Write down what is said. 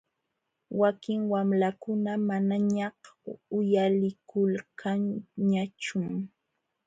Wakin wamlakuna manañaq uyalikulkanñachum.